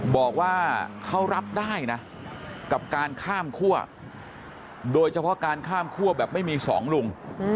บอกว่าเขารับได้นะกับการข้ามคั่วโดยเฉพาะการข้ามคั่วแบบไม่มีสองลุง